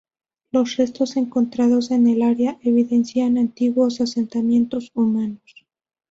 Los restos encontrados en el área evidencian antiguos asentamientos humanos.